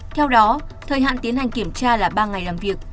thời hạn tiến hành kiểm tra là ba ngày làm việc